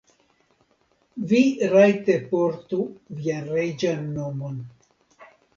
Vi rajte portu vian reĝan nomon.